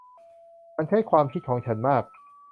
มันใช้ความคิดของฉันมาก